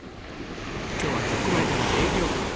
今日は直売所の営業日。